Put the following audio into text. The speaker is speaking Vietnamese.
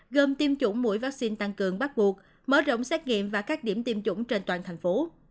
gồm tiêm chủng mũi vaccine tăng cường bắt buộc mở rộng xét nghiệm và các điểm tiêm chủng trên toàn thành phố